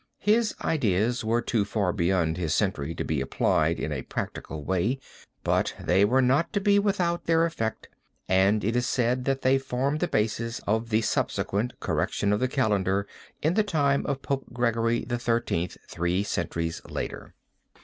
His ideas were too far beyond his century to be applied in a practical way, but they were not to be without their effect and it is said that they formed the basis of the subsequent correction of the calendar in the time of Pope Gregory XIII three centuries later.